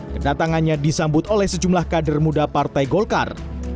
kedatangannya disambut oleh sejumlah kader muda partai golkar